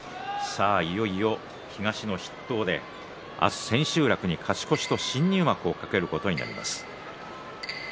いよいよ、東の筆頭で明日千秋楽に勝ち越しと新入幕を懸けることになります。